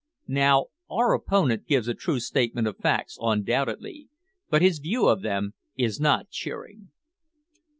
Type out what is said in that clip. Now, our opponent gives a true statement of facts undoubtedly, but his view of them is not cheering.